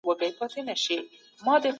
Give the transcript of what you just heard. هغه د وطن خدمت ته ژمنتیا څرګنده کړه.